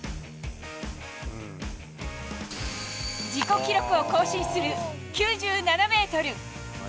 自己記録を更新する９７メートル。